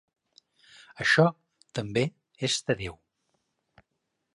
Això, també, és de Déu.